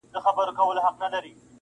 د میني ترانې وایی پخپل لطیفه ژبه,